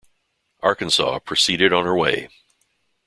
"Arkansas" proceeded on her way.